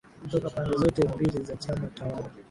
kutoka pande zote mbili za chama tawala